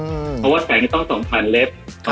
เพราะว่าแสงจะต้อง๒๐๐๐เล็บ